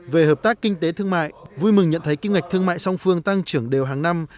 về hợp tác kinh tế thương mại vui mừng nhận thấy kinh ngạch thương mại song phương tăng trưởng đều hàng năm